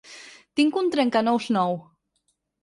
Tinc un trencanous nou